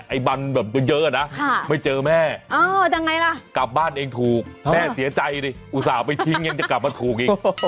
ไอบันแบบเยอะนะไม่เจอแม่ยังไงล่ะกลับบ้านเองถูกแม่เสียใจดิอุตส่าห์ไปทิ้งยังจะกลับมาถูกอีก